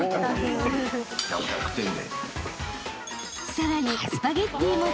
［さらに］